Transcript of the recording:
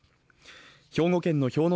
兵庫県の氷ノ